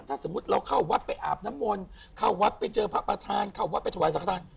ถ้าสมมุติเราเข้าวัดไปอาบน้ำมนต์เข้าวัดไปเจอพระประธานเข้าวัดไปถวายสังฆฐาน